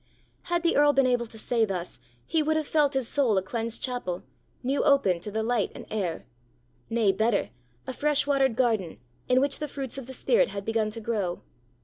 Had the earl been able to say thus, he would have felt his soul a cleansed chapel, new opened to the light and air; nay, better a fresh watered garden, in which the fruits of the spirit had begun to grow!